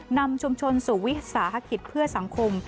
นำชุมชนสู่วิสาหกิจเพื่อสังคม